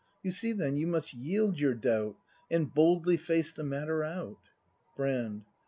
You see then, you must yield your doubt. And boldly face the matter out. Brand.